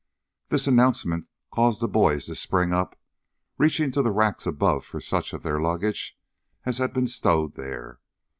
This announcement caused the boys to spring up, reaching to the racks above for such of their luggage as had been stowed there.